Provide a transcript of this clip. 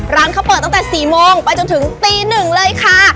ร้านเขาเปิดตั้งแต่๔โมงไปจนถึงตี๑เลยค่ะ